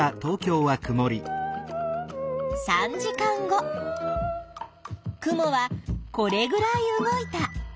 ３時間後雲はこれぐらい動いた。